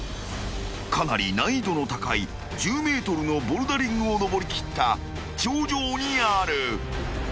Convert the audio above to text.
［かなり難易度の高い１０ｍのボルダリングを登りきった頂上にある］